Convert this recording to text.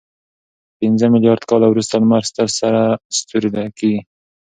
پنځه میلیارد کاله وروسته لمر ستر سره ستوری کېږي.